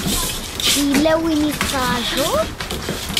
Yella win i tettṛajuḍ?